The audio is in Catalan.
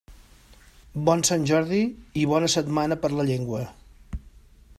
Bon Sant Jordi i bona Setmana per la Llengua!